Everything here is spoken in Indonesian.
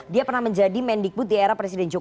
dia pernah menjadi mendikbud di era presiden jokowi